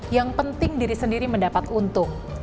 yang penting diri sendiri mendapat untung